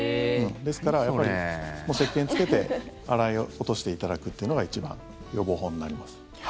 ですから、せっけんつけて洗い落としていただくというのが一番、予防法になります。